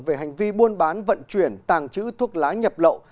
về hành vi buôn bán vận chuyển tàng trữ thuốc lá nhập lậu